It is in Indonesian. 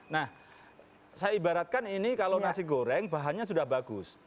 nah saya ibaratkan ini kalau nasi goreng bahannya sudah bagus